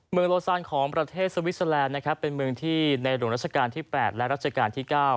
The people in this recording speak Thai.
เมืองโลสานของประเทศสวีสเซอแลนด์เป็นเมืองที่ในดวงราชการที่๘และราชการที่๙